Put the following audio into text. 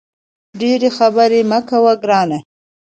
ډېري خبري مه کوه ګرانه !